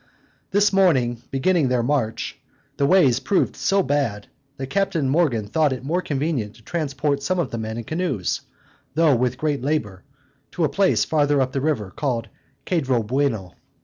This morning beginning their march, the ways proved so bad, that Captain Morgan thought it more convenient to transport some of the men in canoes (though with great labor) to a place farther up the river, called Cedro Bueno.